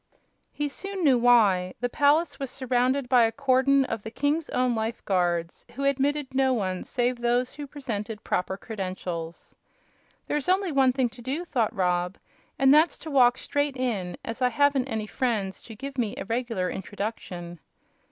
He soon knew why. The palace was surrounded by a cordon of the king's own life guards, who admitted no one save those who presented proper credentials. "There's only one thing to do;" thought Rob, "and that's to walk straight in, as I haven't any friends to give me a regular introduction."